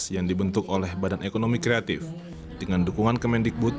yang dibentuk oleh badan ekonomi kreatif dengan dukungan kemendikbud